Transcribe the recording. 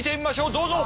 どうぞ！